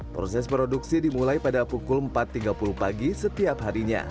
proses produksi dimulai pada pukul empat tiga puluh pagi setiap harinya